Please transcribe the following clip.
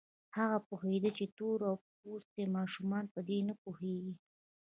هغه پوهېده چې تور پوستي ماشومان په دې نه پوهېږي.